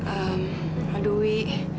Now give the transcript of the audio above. ehm aduh wi